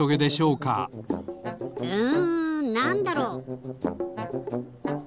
うんなんだろう？